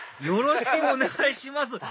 よろしくお願いします